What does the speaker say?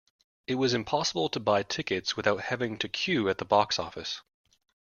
It was impossible to buy tickets without having to queue at the box office